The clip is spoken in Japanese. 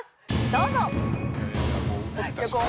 どうぞ。